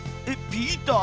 「ピーター」？